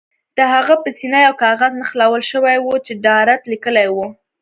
د هغه په سینه یو کاغذ نښلول شوی و چې ډارت لیکلي وو